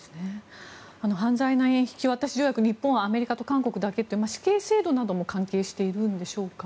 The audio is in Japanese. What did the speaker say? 犯罪人引渡し条約は日本はアメリカと韓国だけというのは死刑制度とも関係しているんでしょうか。